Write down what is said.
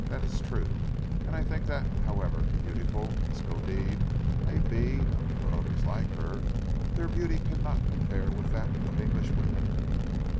"That is true. And I think that, however beautiful Miskodeed may be, or others like her, their beauty cannot compare with that of English women."